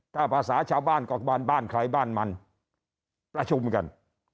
ถ้าภาษาชาวบ้านกอกบ้านบ้านใครบ้านมันประชุมกัน